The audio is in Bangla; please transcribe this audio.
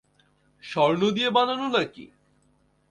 স্বর্ণ দিয়ে বানানো নাকি?